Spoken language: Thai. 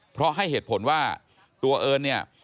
เพราะให้เหตุผลว่าตัวเอิญเนี่ย